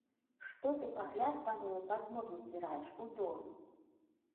Што ты пагляд панылы пад ногі ўпіраеш, у дол?